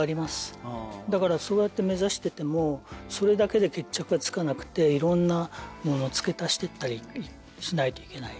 だからそうやって目指しててもそれだけで決着がつかなくていろんなもの付け足してったりしないといけないときがあります。